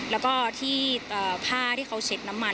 แล้วก็ที่ผ้าที่เขาเช็ดน้ำมัน